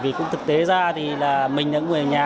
vì cũng thực tế ra thì là mình ở ngôi nhà